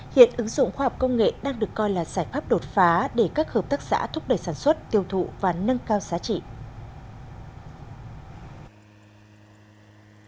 hiện ứng dụng khoa học công nghệ đang được coi là giải pháp đột phá để các hợp tác xã thúc đẩy sản xuất tiêu thụ và nâng cao giá trị